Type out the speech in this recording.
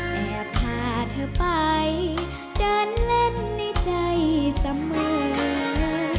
แต่พาเธอไปเดินเล่นในใจเสมอ